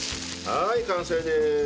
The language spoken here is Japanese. はい完成です。